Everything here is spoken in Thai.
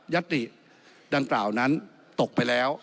ติดังกล่าวนั้นตกไปแล้ว